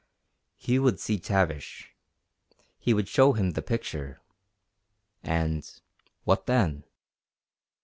He would see Tavish. He would show him the picture. And what then?